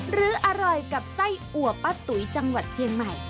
หรืออร่อยกับไส้อัวป้าตุ๋ยจังหวัดเชียงใหม่